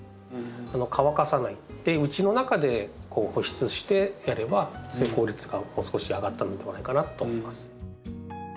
乾かさないでうちの中でこう保湿してやれば成功率がもう少し上がったのではないかなと思います。